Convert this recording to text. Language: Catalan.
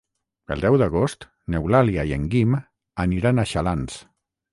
El deu d'agost n'Eulàlia i en Guim aniran a Xalans.